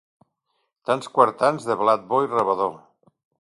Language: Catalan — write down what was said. Tants quartans de blat bo i rebedor.